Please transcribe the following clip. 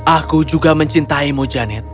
aku juga mencintaimu janet